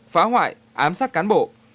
phá hoại ám sát cán bộ